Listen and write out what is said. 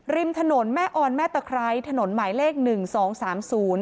ริมถนนแม่ออนแม่ตะไคร้ถนนหมายเลขหนึ่งสองสามศูนย์